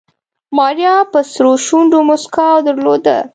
ماريا په سرو شونډو موسکا درلوده.